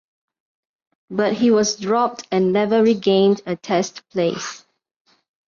But he was dropped and never regained a Test place.